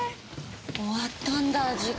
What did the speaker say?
終わったんだ事件。